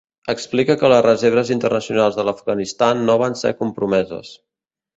Explica que les reserves internacionals de l’Afganistan no van ser compromeses.